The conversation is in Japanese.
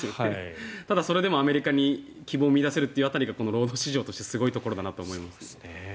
それでもアメリカに希望を見いだせるのがこの労働市場としてすごいところだなと思います。